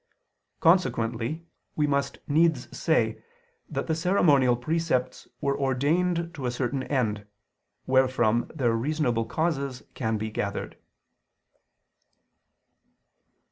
Consequently we must needs say that the ceremonial precepts were ordained to a certain end, wherefrom their reasonable causes can be gathered.